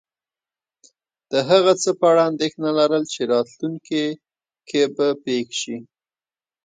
د هغه څه په اړه انېښنه لرل چی راتلونکي کې به پیښ شې